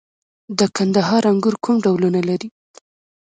د کندهار انګور کوم ډولونه لري؟